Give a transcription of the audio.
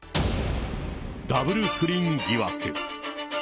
ダブル不倫疑惑。